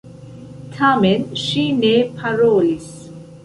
Tamen ŝi ne parolis.